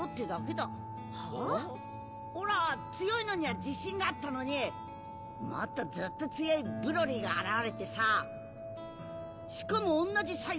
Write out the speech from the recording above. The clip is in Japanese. オラ強いのには自信があったのにもっとずっと強いブロリーが現れてさしかもおんなじサイヤ人だ。